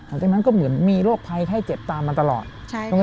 แล้วยังมันก็เหมือนมีโรคระไห้ไข้เจ็บตามมาตลอดใช่ค่ะ